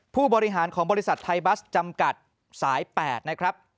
ผู้บริหารของบริษัทไทยบัสจำกัดสาย๘นะครับ